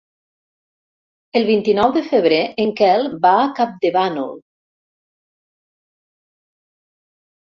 El vint-i-nou de febrer en Quel va a Campdevànol.